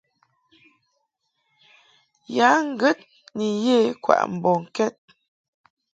Ya ŋgəd ni ye kwaʼ mbɔŋkɛd.